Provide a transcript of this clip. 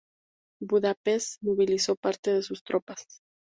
Budapest movilizó parte de sus tropas.